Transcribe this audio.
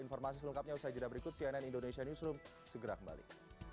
informasi selengkapnya usai jeda berikut cnn indonesia newsroom segera kembali